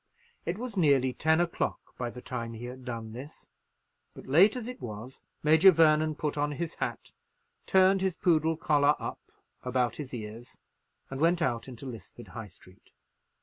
It was nearly ten o'clock by the time he had done this: but late as it was, Major Vernon put on his hat, turned his poodle collar up about his ears, and went out into Lisford High Street.